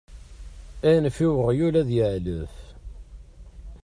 Anef i weɣyul ad yeεlef!